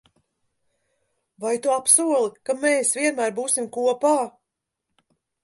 Vai tu apsoli, ka mēs vienmēr būsim kopā?